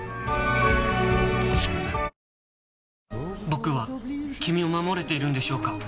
僕は君を守れているんでしょうか？